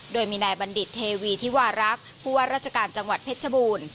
โดยมีนายบัณฑิตเทวีธิวารักษ์ผู้ว่าราชการจังหวัดเพชรบูรณ์